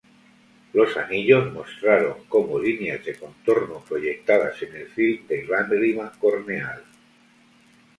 Los anillos mostraron como líneas de contorno proyectadas en el filme de lágrima corneal.